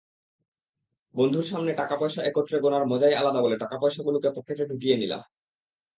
বন্ধুর সামনে টাকাপয়সা একত্রে গোনার মজাই আলাদা বলে টাকাপয়সাগুলো পকেটে ঢুকিয়ে নিলাম।